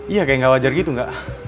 iya kayak gak wajar gitu nggak